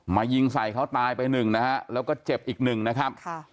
ยิงใส่เขาตายไปหนึ่งนะฮะแล้วก็เจ็บอีกหนึ่งนะครับค่ะ